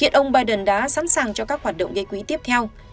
hiện ông biden đã sẵn sàng cho các hoạt động gây quỹ tiếp theo